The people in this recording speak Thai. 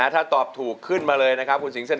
ถ้าตอบถูกขึ้นมาเลยนะครับคุณสิงเส้น